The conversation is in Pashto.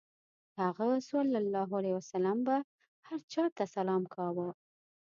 هغه ﷺ به هر چا ته سلام کاوه.